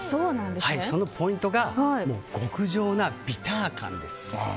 そのポイントが極上なビター感です。